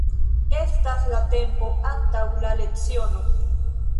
Estas la tempo antaŭ la leciono.